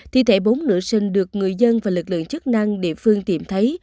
thi thể bốn nữ sinh được người dân và lực lượng chức năng địa phương tìm thấy